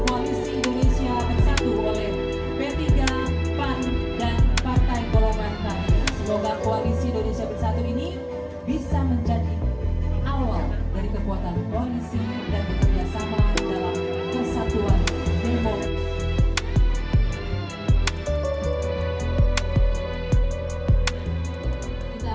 semoga koalisi indonesia bersatu ini bisa menjadi awal dari kekuatan koalisi dan bekerjasama dalam kesatuan